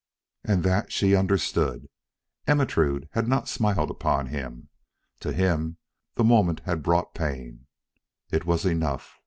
And that she understood. Ermentrude had not smiled upon him. To him, the moment had brought pain. It was enough.